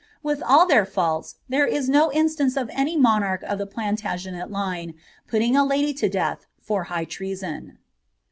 * With all their bulta, tbstii no instance of any monarch of the Planlagcnet line paltinr a hdy t* death, for high treason.